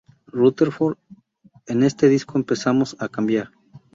Rutherford: "En este disco empezamos a cambiar.